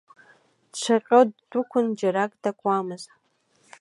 Дшаҟьо ддәықәын, џьарак дакуамызт…